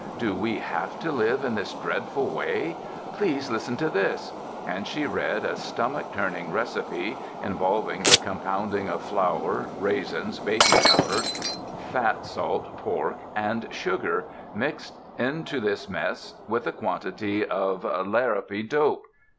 Do we have to live in this dreadful way? Please listen to this"— and she read a stomach turn ing recipe involving the compounding of flour, raisins, baking powder, fat salt pork and sugar, "mixed into a mess with a quantity of larrapy dope."